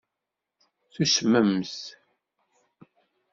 Tusmemt.